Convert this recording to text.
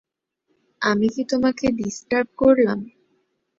আমি কি তোমাকে ডিস্টার্ব করলাম?